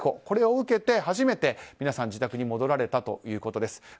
これを受けて初めて皆さん自宅に戻られたということです。